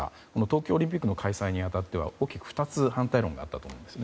東京オリンピックの開催に当たっては大きく２つ反対論があったと思うんです。